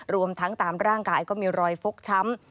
รวมทั้งตามร่างกายก็มีรอยฟกช้ำ